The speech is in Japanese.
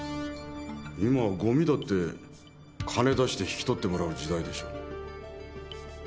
今はゴミだって金出して引き取ってもらう時代でしょ？